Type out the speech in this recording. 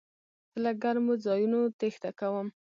زه له ګرمو ځایونو تېښته کوم.